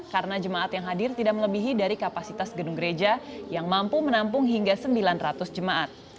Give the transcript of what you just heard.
karena jemaat yang hadir tidak melebihi dari kapasitas gedung gereja yang mampu menampung hingga sembilan ratus jemaat